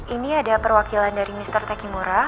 ini ada perwakilan dari mr tekimora